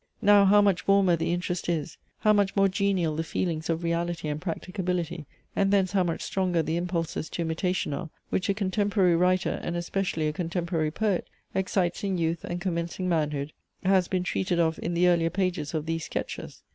Now how much warmer the interest is, how much more genial the feelings of reality and practicability, and thence how much stronger the impulses to imitation are, which a contemporary writer, and especially a contemporary poet, excites in youth and commencing manhood, has been treated of in the earlier pages of these sketches.